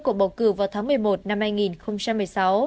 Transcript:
cuộc bầu cử vào tháng một mươi một năm hai nghìn một mươi sáu